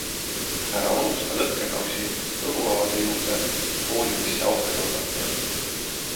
Ära unusta lõkkekausi õhuavade juurde fooliumisse auke torgata!